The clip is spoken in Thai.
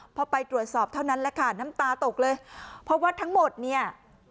พอไปตรวจสอบเท่านั้นแหละค่ะน้ำตาตกเลยเพราะว่าทั้งหมดเนี่ย